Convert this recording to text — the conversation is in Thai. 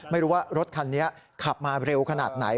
ไม่รู้ว่ารถคันนี้ขับมาเร็วขนาดไหน